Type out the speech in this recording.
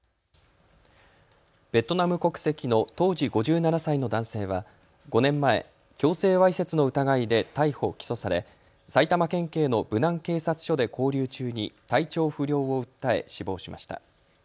ベトナム国籍の当時５７歳の男性は５年前、強制わいせつの疑いで逮捕・起訴され、埼玉県警の武南警察署で勾留中に体調不良を訴え死亡しました。